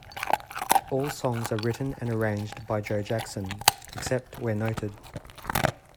All songs are written and arranged by Joe Jackson, except where noted.